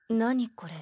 これ。